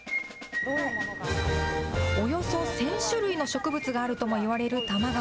およそ１０００種類の植物があるともいわれる多摩川。